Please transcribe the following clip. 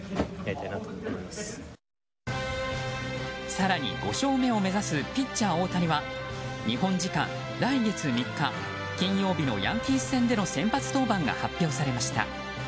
更に、５勝目を目指すピッチャー大谷は日本時間来月３日、金曜日のヤンキース戦での先発登板が発表されました。